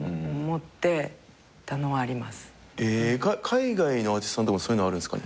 海外のアーティストさんでもそういうのあるんすかね？